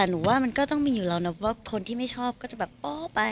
แต่หนูว่ามันก็ต้องมีอยู่แล้วนะว่าคนที่ไม่ชอบก็จะแบบอ๋อไป